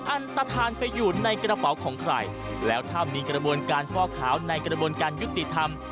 อันตฐานไปอยู่ในกระเป๋าของใครแล้วถ้ามีกระบวนการฟอกขาวในกระบวนการยุติธรรม